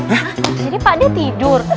jadi pade tidur